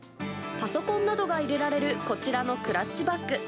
パソコンなどが入れられるこちらのクラッチバッグ。